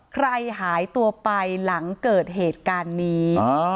หายตัวไปหลังเกิดเหตุการณ์นี้